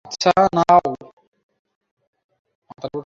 আচ্ছা, নাও।